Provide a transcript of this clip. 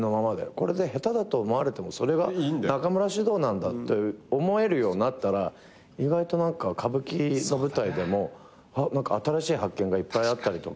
これで下手だと思われてもそれが中村獅童なんだって思えるようになったら意外と歌舞伎の舞台でも新しい発見がいっぱいあったりとか。